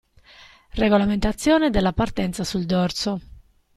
Regolamentazione della partenza sul dorso.